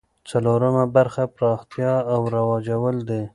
څلورمه برخه پراختیا او رواجول دي.